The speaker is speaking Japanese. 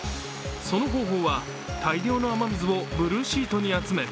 その方法は大量の雨水をブルーシートに集め